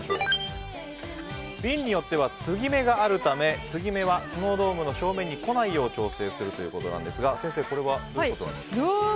瓶によっては継ぎ目があるため継ぎ目はスノードームの正面に来ないよう調整するということですがこれはどういうことでしょう？